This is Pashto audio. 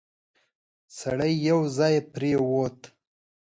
سړی یو ځای پرېووت.